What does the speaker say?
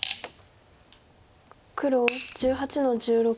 黒１８の十六。